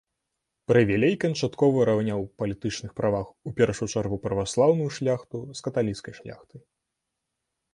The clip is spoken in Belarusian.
Прывілей канчаткова раўняў ў палітычных правах у першую чаргу праваслаўную шляхту з каталіцкай шляхтай.